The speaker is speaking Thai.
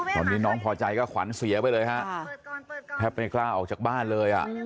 ตอนนี้น้องพอใจก็ขวัญเสียไปเลยฮะแทบไม่กล้าออกจากบ้านเลยอ่ะ